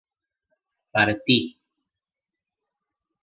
partí